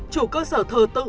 chủ cơ sở thờ tự